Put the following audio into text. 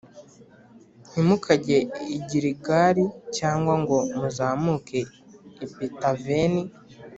Ntimukajye i Giligali cyangwa ngo muzamuke i Betaveni,